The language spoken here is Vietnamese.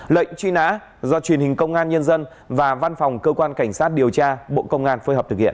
lệnh truy nã do truyền hình công an nhân dân và văn phòng cơ quan cảnh sát điều tra bộ công an phối hợp thực hiện